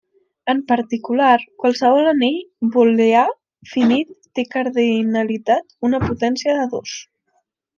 En particular, qualsevol anell booleà finit té cardinalitat una potència de dos.